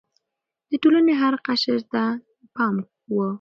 د ټولنې هر قشر ته يې پام و.